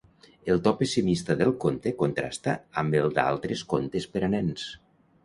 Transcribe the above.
El to pessimista del conte contrasta amb el d'altres contes per a nens.